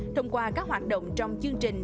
thông qua các hoạt động trong chương trình